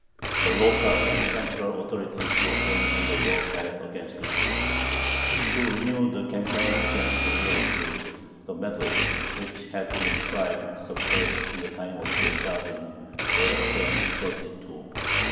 The local and central authorities were again on the war path against the Jews. To renew the campaign against the rural Jews, the methods which had been tried with success in the time of Dyerzhavin were again resorted to.